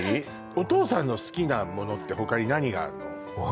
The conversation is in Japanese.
おとうさんの好きなものって他に何があんの？